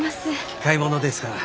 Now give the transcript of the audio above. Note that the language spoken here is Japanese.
買い物ですか？